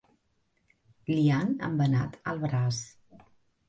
Li han embenat el braç.